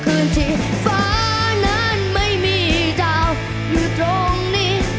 คืนที่ฟ้านั้นไม่มีดาวอยู่ตรงนี้